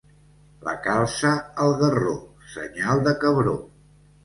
La calça al garró, senyal de cabró.